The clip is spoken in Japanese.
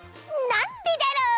なんでだろう？